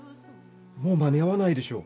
もう間に合わないでしょう。